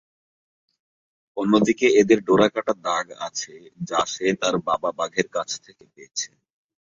অন্যদিকে, এদের ডোরাকাটা দাগ আছে যা সে তার বাবা বাঘের কাছ থেকে পেয়েছে।